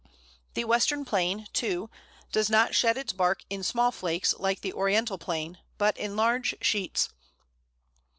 The Western Plane, too, does not shed its bark in small flakes like the Oriental Plane, but in large sheets.